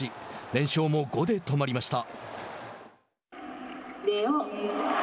連勝も５で止まりました。